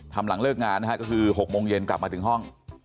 ตอนการเลิกงานก็คือ๖โมงเย็นกลับมาถึงห้อง